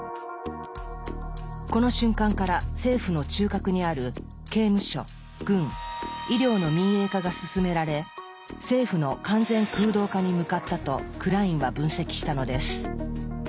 この瞬間から政府の中核にある刑務所軍医療の民営化が進められ「政府の完全空洞化」に向かったとクラインは分析したのです。